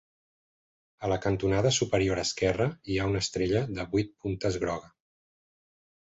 A la cantonada superior esquerra hi ha una estrella de vuit puntes groga.